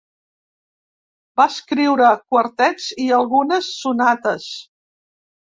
Va escriure quartets i algunes sonates.